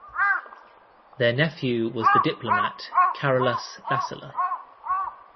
Their nephew was the diplomat Carolus Lassila.